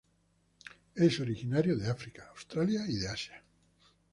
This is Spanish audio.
Es originario de África, Australia y de Asia.